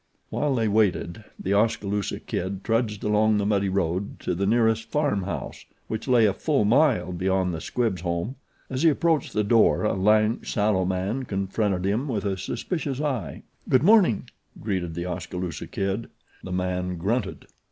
While they waited, The Oskaloosa Kid trudged along the muddy road to the nearest farm house, which lay a full mile beyond the Squibbs' home. As he approached the door a lank, sallow man confronted him with a suspicious eye. "Good morning," greeted The Oskaloosa Kid. The man grunted.